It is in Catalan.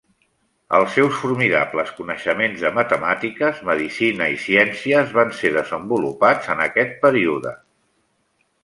Els seus formidables coneixements de matemàtiques, Medicina i ciències, van ser desenvolupats en aquest període.